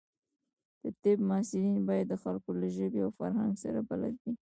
د طب محصلین باید د خلکو له ژبې او فرهنګ سره بلد وي.